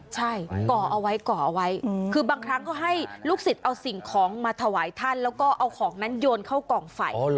ใช่ก่อเอาไว้ก่อเอาไว้คือบางครั้งก็ให้ลูกศิษย์เอาสิ่งของมาถวายท่านแล้วก็เอาของนั้นโยนเข้ากล่องไฟ